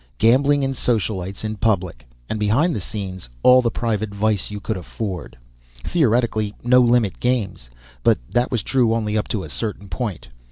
Gambling and socialities in public and behind the scenes all the private vice you could afford. Theoretically no limit games, but that was true only up to a certain point.